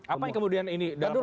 apa yang kemudian ini